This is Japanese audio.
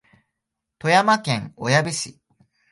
富山県小矢部市